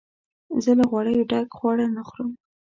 زه له غوړیو ډک خواړه نه خورم.